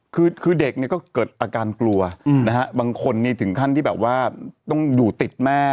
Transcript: คือเด็กเนี่ยก็เกิดอาการกลัวนะฮะบางคนถึงขั้นที่แบบว่าต้องอยู่ติดแม่